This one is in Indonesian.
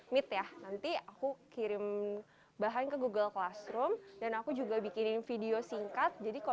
meet ya nanti aku kirim bahan ke google classroom dan aku juga bikinin video singkat jadi kok